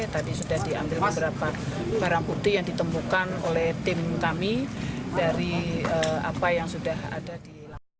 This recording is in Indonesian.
tadi sudah diambil beberapa barang putih yang ditemukan oleh tim kami dari apa yang sudah ada di lapangan